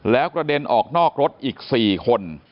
แล้วกระเด็นออกนอกรถอีก๔คน